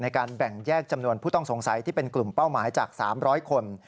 ในการแบ่งแยกจำนวนผู้ต้องสงสัยที่เป็นกลุ่มเป้าหมายจาก๓๐๐คน